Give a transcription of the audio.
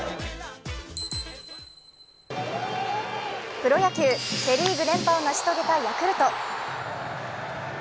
プロ野球、セ・リーグ連覇を成し遂げたヤクルト。